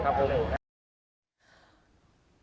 ครับผม